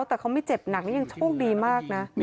แต่เขาไม่เจ็บหนักนี่ยังโชคดีมากนะ